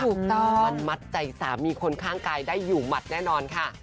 ถูกต้องมันมัดใจสามีคนข้างกายได้อยู่หมัดแน่นอนค่ะ